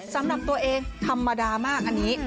สำหรับตัวเองธรรมดามากอันนี้